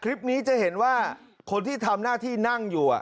คลิปนี้จะเห็นว่าคนที่ทำหน้าที่นั่งอยู่